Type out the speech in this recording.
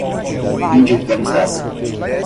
individualizada